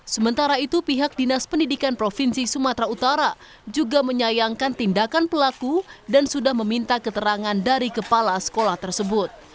sementara itu pihak dinas pendidikan provinsi sumatera utara juga menyayangkan tindakan pelaku dan sudah meminta keterangan dari kepala sekolah tersebut